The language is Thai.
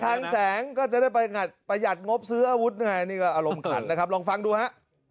ทางแสงก็จะได้ประหัดงบซื้ออาวุธยังไงนี่ก็อารมณ์ขันนะครับลองฟังดูฮะ